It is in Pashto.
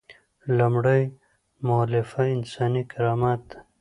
لومړۍ مولفه انساني کرامت دی.